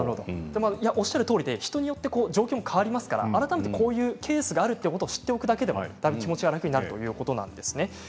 おっしゃるとおりで人によっては違うんですが改めてこういうケースがあると知っておくだけでも気持ちが楽になるということです。